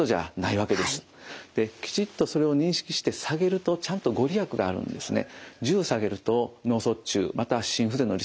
きちっとそれを認識して下げるとちゃんと御利益があるんですね。